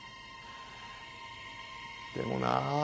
でもなぁ。